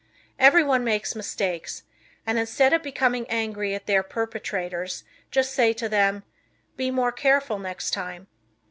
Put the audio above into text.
Everyone makes mistakes and, instead of becoming angry at their perpetrators, just say to them, "Be more careful next time."